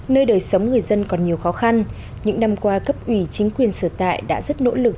nơi đời sống người dân còn nhiều khó khăn những năm qua cấp ủy chính quyền sở tại đã rất nỗ lực